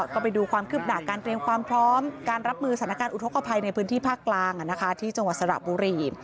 ก็ไปดูความคืบหน้าการเตรียมความพร้อมการรับมือสถานการณ์อุทธกภัยในพื้นที่ภาคกลางที่จังหวัดสระบุรี